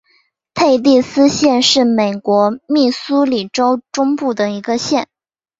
佩蒂斯县是美国密苏里州中部的一个县。